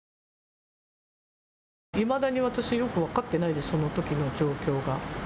いまだに私よく分かってないです、そのときの状況が。